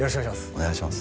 お願いします